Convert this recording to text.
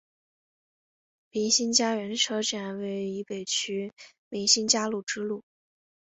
民心佳园车站位于渝北区民心佳园支路。